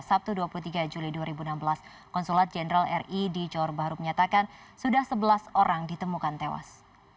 sabtu dua puluh tiga juli dua ribu enam belas konsulat jenderal ri di johor bahru menyatakan sudah sebelas orang ditemukan tewas